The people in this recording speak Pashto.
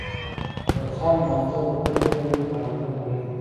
تورخم بندر ولې تل ګڼه ګوڼه لري؟